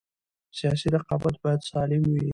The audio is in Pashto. سیاسي رقابت باید سالم وي